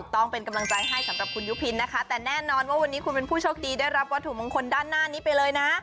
ต้องเป็นกำลังใจให้สำหรับคุณยุพินนะคะแต่แน่นอนว่าวันนี้คุณเป็นผู้โชคดีได้รับวัตถุมงคลด้านหน้านี้ไปเลยนะ